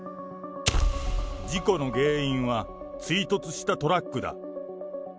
事故の原因は、追突したトラックだ。